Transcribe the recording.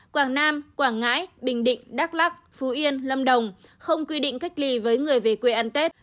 quảng nam quảng ngãi bình định đắk lắc phú yên lâm đồng không quy định cách ly với người về quê ăn tết